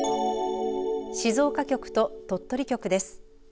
静岡局と鳥取局です。